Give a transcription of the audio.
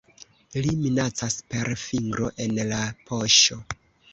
Li minacas per fingro en la poŝo.